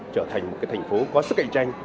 trở thành một thành phố có sức cạnh tranh